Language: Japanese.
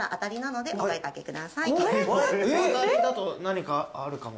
当たりだと何かあるかも。